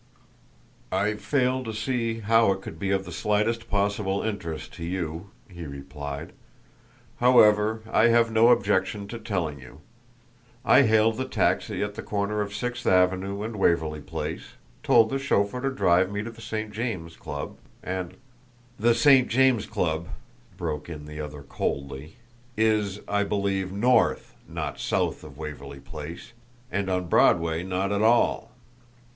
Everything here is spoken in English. "I fail to see how it could be of the slightest possible interest to you," he replied. "However, I have no objection to telling you. I hailed the taxi at the corner of Sixth Avenue and Waverly Place, told the chauffeur to drive me to the St. James Club, and " "The St. James Club," broke in the other coldly, "is, I believe, north, not SOUTH of Waverly Place and on Broadway not at all."